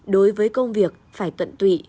đối với công việc phải tuận tụy